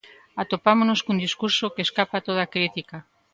Atopámonos cun discurso que escapa a toda crítica.